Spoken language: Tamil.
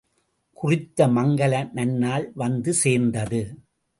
குறித்த மங்கல நன்னாள் வந்து சேர்ந்தது.